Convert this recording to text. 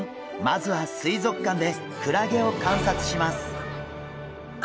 まずは水族館でクラゲを観察します。